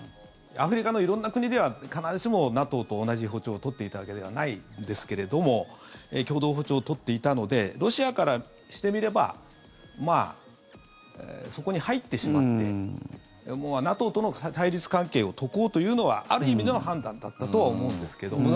アフリカの色んな国では必ずしもＮＡＴＯと同じ歩調を取っていたわけではないですけれども共同歩調を取っていたのでロシアからしてみればそこに入ってしまってＮＡＴＯとの対立関係を解こうというのはある意味の判断だったとは思うんですけど。